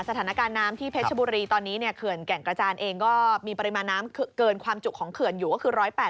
สถานการณ์น้ำที่เพชรบุรีตอนนี้เนี่ยเขื่อนแก่งกระจานเองก็มีปริมาณน้ำเกินความจุของเขื่อนอยู่ก็คือ๑๘๐